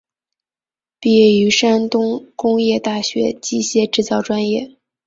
毕业于山东工业大学机械制造专业。